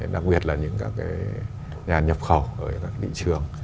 đặc biệt là những các cái nhà nhập khẩu ở các thị trường